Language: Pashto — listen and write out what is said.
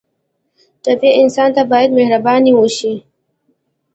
ټپي انسان ته باید مهرباني وشي.